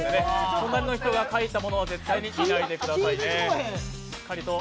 隣の人が書いたものは絶対に見ないでくださいね。